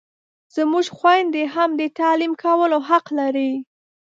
زموږ خویندې هم د تعلیم کولو حق لري!